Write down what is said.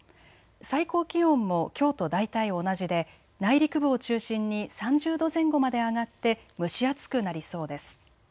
最高気温もきょうと大体同じで内陸部を中心に３０度前後まで上がって蒸し暑くなりそうです。